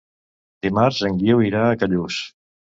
Dimarts en Guiu irà a Callús.